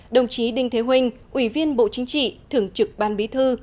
đồng chí đinh thế huynh ủy viên bộ chính trị thường trực ban bí thư